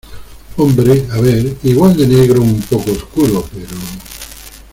hombre, a ver , igual de negro un poco oscuro , pero...